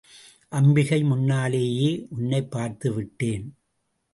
அம்பிகை முன்னாலேயே உன்னைப் பார்த்து விட்டேன்.